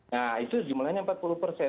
nah itu jumlahnya empat puluh persen